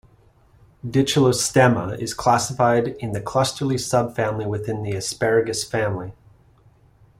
"Dichelostemma" is classified in the cluster-lily subfamily within the asparagus family.